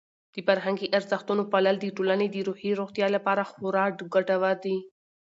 د فرهنګي ارزښتونو پالل د ټولنې د روحي روغتیا لپاره خورا ګټور دي.